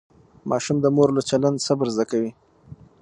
ماشوم د مور له چلند صبر زده کوي.